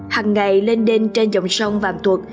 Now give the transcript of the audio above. hằng ngày lên đên trên dòng sông vàng thuộc